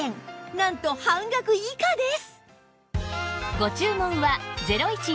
なんと半額以下です！